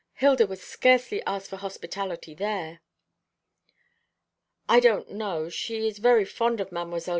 Hilda would scarcely ask for hospitality there." "I don't know. She is very fond of Mdlle.